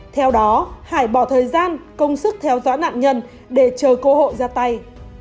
theo đó hải bỏ thời gian công sức theo dõi nạn nhân để chờ cơ hội ra tay